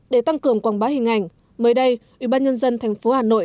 để tăng cường quảng bá hình ảnh mới đây ủy ban nhân dân thành phố hà nội